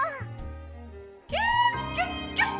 「キュキュッキュッ！